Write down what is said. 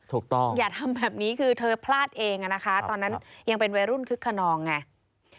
อย่าทำแบบนี้คือเธอพลาดเองอะนะคะตอนนั้นยังเป็นวัยรุ่นคึกขนองไง